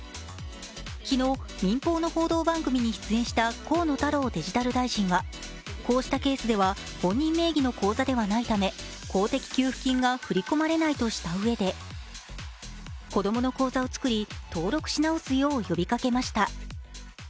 昨日、民放の報道番組に出演した河野太郎デジタル大臣はこうしたケースでは本人名義の口座ではないため、公的給付金が振り込まれないとしたうえで、子供の口座を作り、登録し直すよう呼びかけました。